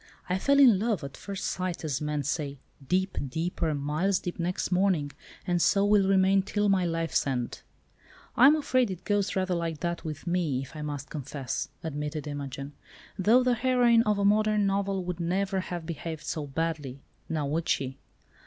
I fell in love—at first sight as men say—deep, deeper, miles deep next morning, and so will remain till my life's end." "I am afraid it goes rather like that with me, if I must confess," admitted Imogen, "though the heroine of a modern novel would never have behaved so badly, now would she?"